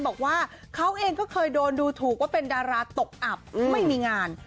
บอกว่าเขาเองก็เคยโดนดูถูกว่าเป็นดาราตกอับไม่มีงาน